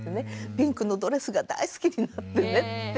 ピンクのドレスが大好きになってね